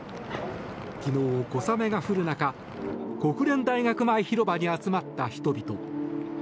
昨日、小雨が降る中国連大学前広場に集まった人々。